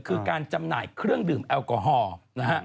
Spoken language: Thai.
คือการจำหน่ายเครื่องดื่มแอลกอฮอล์นะฮะ